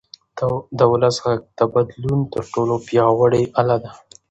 د ولس غږ د بدلون تر ټولو پیاوړی اله ده